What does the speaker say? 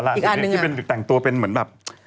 อะไรอีกอันนึงน่ะที่แต่งตัวเป็นเหมือนแบบ